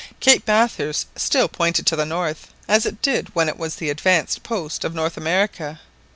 Cape Bathurst still pointed to the north, as it did when it was the advanced post of North America.